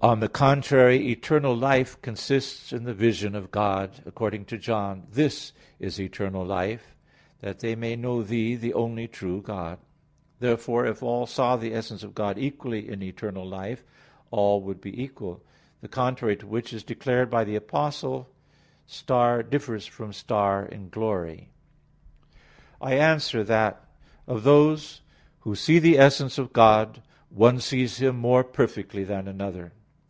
On the contrary, Eternal life consists in the vision of God, according to John 17:3: "This is eternal life, that they may know Thee the only true God," etc. Therefore if all saw the essence of God equally in eternal life, all would be equal; the contrary to which is declared by the Apostle: "Star differs from star in glory" (1 Cor. 15:41). I answer that, Of those who see the essence of God, one sees Him more perfectly than another.